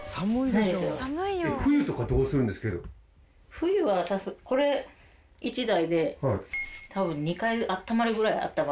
冬はこれ１台で多分２階あったまるぐらいあったまります